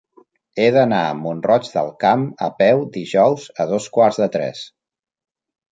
He d'anar a Mont-roig del Camp a peu dijous a dos quarts de tres.